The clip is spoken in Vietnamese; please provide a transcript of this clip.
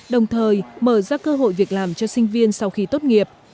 đồng thời mở ra cơ hội việc làm cho sinh viên sau khi tốt nghiệp